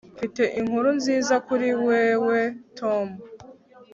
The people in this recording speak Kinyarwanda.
mfite inkuru nziza kuri wewe, tom